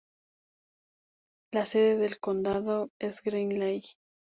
La sede del condado es Greeley.